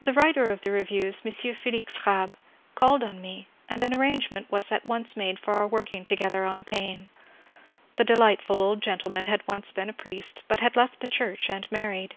The writer of the reviews, M. Felix Rabbe, called on me, and an arrangement was at once made for our working together on Paine. The delightful old gentleman had once been a priest, but had left the church and married.